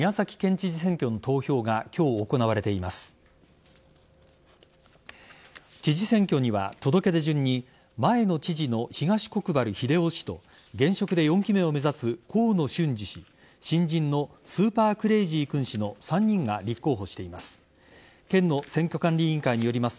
知事選挙には、届け出順に前の知事の東国原英夫氏と現職で４期目を目指す河野俊嗣氏新人のスーパークレイジー君氏の３人が立候補しています。